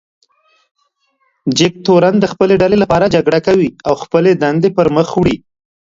جګتورن د خپلې ډلې لپاره جګړه کوي او خپلې دندې پر مخ وړي.